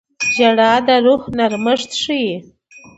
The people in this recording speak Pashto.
• ژړا د روح نرمښت ښيي.